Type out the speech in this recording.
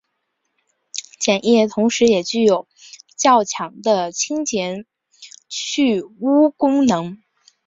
碱液同时也具有较强的清洁去污功能。